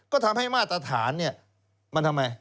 ก็ทำให้มาตรฐานมันทำไม